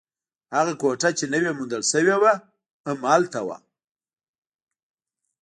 هغه کوټه چې نوې موندل شوې وه، هم هلته وه.